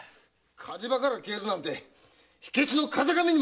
火事場から消えるなんて火消しの風上にも置けねえや！